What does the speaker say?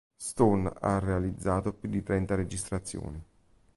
Stone ha realizzato più di trenta registrazioni.